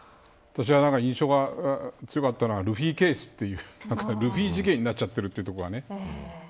印象が強かったのはルフィケースというルフィ事件になっちゃってるというところがね